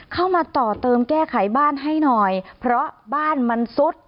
เข้ามาต่อเติมแก้ไขบ้านให้หน่อยเพราะบ้านมันซุด